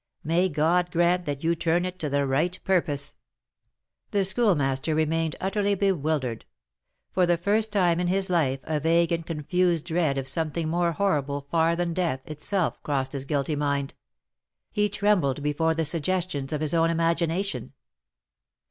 May God grant that you turn it to the right purpose!" The Schoolmaster remained utterly bewildered; for the first time in his life a vague and confused dread of something more horrible far than death itself crossed his guilty mind, he trembled before the suggestions of his own imagination.